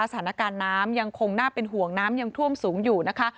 สถานการณ์น้ำยังคงน่าเป็นห่วงน้ำยังท่วมสูงอยู่นะคะ